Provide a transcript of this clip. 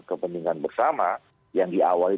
kepentingan bersama yang diawali